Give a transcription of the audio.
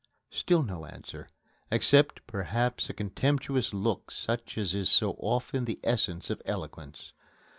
Still no answer, except perhaps a contemptuous look such as is so often the essence of eloquence.